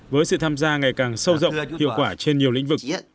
với sự tham gia ngày càng sâu rộng hiệu quả trên nhiều lĩnh vực